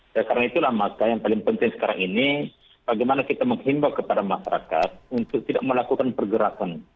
dan karena itulah maka yang paling penting sekarang ini bagaimana kita menghimbau kepada masyarakat untuk tidak melakukan pergerakan